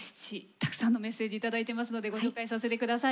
たくさんのメッセージ頂いてますのでご紹介させて下さい。